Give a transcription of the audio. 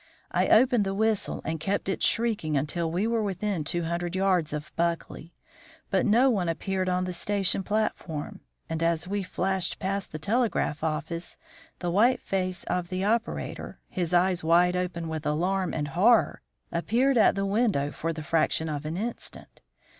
I opened the whistle and kept it shrieking until we were within two hundred yards of Buckley, but no one appeared on the station platform; and as we flashed past the telegraph office the white face of the operator, his eyes wide open with alarm and horror, appeared at the window for the fraction of an instant.